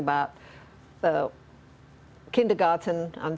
apakah kita berbicara tentang